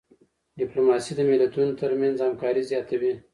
ډيپلوماسي د ملتونو ترمنځ همکاري زیاتوي.